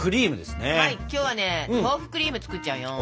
はい今日はね豆腐クリーム作っちゃうよん。